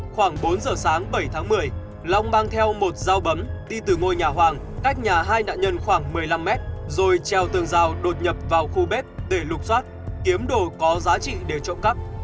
khoảng bốn giờ sáng bảy tháng một mươi long mang theo một dao bấm đi từ ngôi nhà hoàng cách nhà hai nạn nhân khoảng một mươi năm mét rồi treo tường rào đột nhập vào khu bếp để lục xoát kiếm đồ có giá trị để trộm cắp